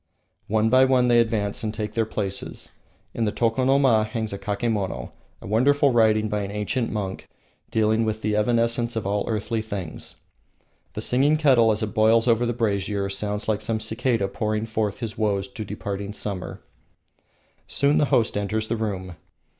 One by one they advance and take their places. In the tokonoma hangs a kakemon, a wonderful writing by an ancient monk dealing with the evanescence of all earthly things. The singing kettle, as it boils over the brazier, sounds like some cicada pouring forth his woes to departing summer. Soon the host enters the room.